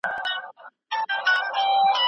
زه به سبا د سبا لپاره د تمرينونو ترسره کول وکړم.